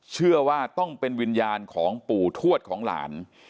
เชื่อว่าต้องเป็นวิญญาณของปู่ทวดของหลาน